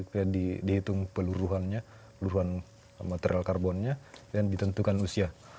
kita dihitung peluruhannya peluruhan material karbonnya dan ditentukan usia